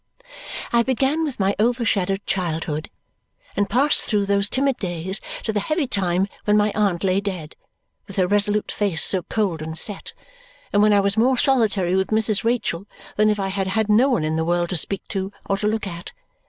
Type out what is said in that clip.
I began with my overshadowed childhood, and passed through those timid days to the heavy time when my aunt lay dead, with her resolute face so cold and set, and when I was more solitary with Mrs. Rachael than if I had had no one in the world to speak to or to look at.